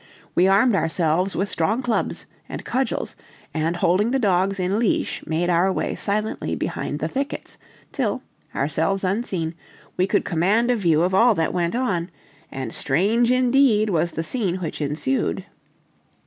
We armed ourselves with strong clubs and cudgels, and holding the dogs in leash, made our way silently behind the thickets, till, ourselves unseen, we could command a view of all that went on; and strange indeed was the scene which ensued!